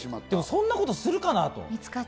でもそんなことするかな？